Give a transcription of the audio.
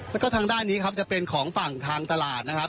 แล้วก็ทางด้านนี้ครับจะเป็นของฝั่งทางตลาดนะครับ